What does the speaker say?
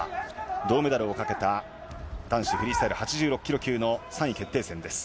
銅メダルをかけた男子フリースタイル８６キロ級の３位決定戦です。